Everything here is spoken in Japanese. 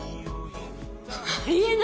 「あり得ない！